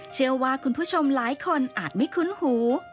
เชื่อว่าคุณผู้ชมหลายคนอาจไม่คุ้นหู